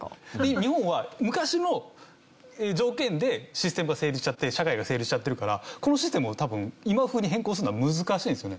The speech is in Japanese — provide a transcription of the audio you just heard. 日本は昔の条件でシステムが成立しちゃって社会が成立しちゃってるからこのシステムを多分今風に変更するのは難しいんですよね。